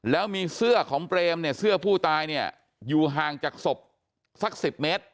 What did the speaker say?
แล้วมีเสื้อของเปรมเนี่ยเสื้อผู้ตายเนี่ยอยู่ห่างจากศพสัก๑๐เมตร